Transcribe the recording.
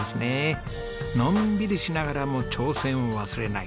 のんびりしながらも挑戦を忘れない。